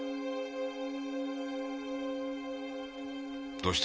どうした？